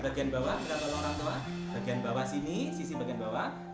bagian bawah bagian bawah sini sisi bagian bawah